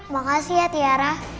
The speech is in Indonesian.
makasih ya tiara